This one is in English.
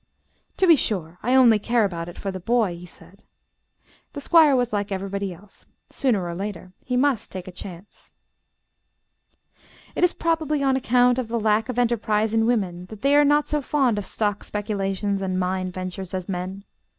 "To be sure, I only care about it for the boy," he said. The Squire was like everybody else; sooner or later he must "take a chance." It is probably on account of the lack of enterprise in women that they are not so fond of stock speculations and mine ventures as men.